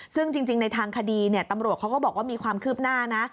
ซึ่งจริงในทางคดีตำรวจเขาก็บอกว่ามีความคืบหน้านะ